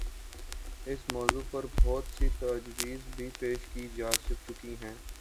اس موضوع پہ بہت سی تجاویز بھی پیش کی جا چکی ہیں۔